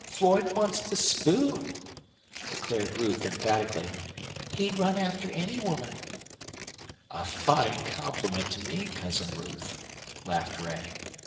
Floyd wants to spoon," declared Ruth, emphatically. "He'd run after any woman." "A fine compliment to me, Cousin Ruth," laughed Ray.